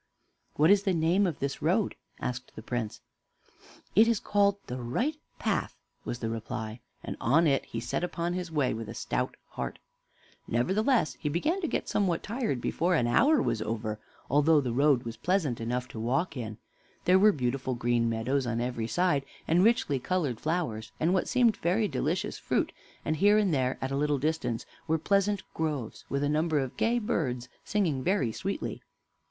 "What is the name of this road?" asked the Prince. "It is called the 'Right Path'" was the reply; and on he set upon his way with a stout heart. Nevertheless, he began to get somewhat tired before an hour was over, although the road was pleasant enough to walk in. There were beautiful green meadows on every side, and richly colored flowers, and what seemed very delicious fruit; and here and there, at a little distance, were pleasant groves, with a number of gay birds, singing very sweetly.